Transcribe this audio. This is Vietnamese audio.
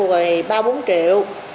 rồi ba bốn triệu